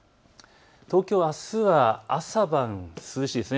東京、あすは朝晩涼しいです。